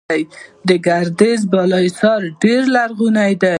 د ګردیز بالاحصار ډیر لرغونی دی